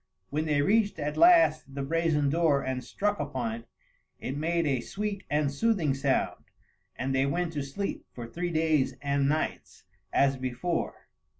When they reached at last the brazen door and struck upon it, it made a sweet and soothing sound, and they went to sleep, for three days and nights, as before.